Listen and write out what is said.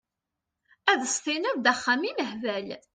Ad s-tiniḍ d axxam imehbal!